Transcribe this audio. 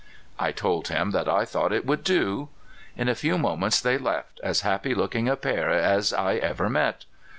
I told him that I thou^i^ht it would do. In a few moments they left, as happy looking a pair as I ever met.